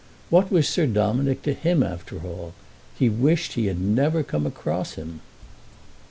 What was Sir Dominick to him after all? He wished he had never come across him.